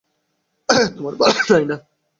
তোমার পালা, নায়না।